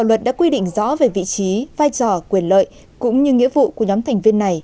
luật đã quy định rõ về vị trí vai trò quyền lợi cũng như nghĩa vụ của nhóm thành viên này